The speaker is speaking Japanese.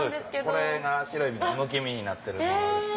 これが白えびのむき身になってるものですね。